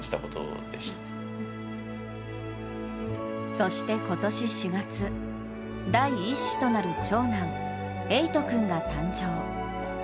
そして今年４月、第１子となる長男瑛翔君が誕生。